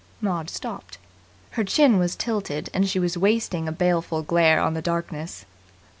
Maud stopped. Her chin was tilted, and she was wasting a baleful glare on the darkness.